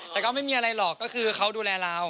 แต่ก็ไม่มีอะไรหรอกก็คือเขาดูแลเรา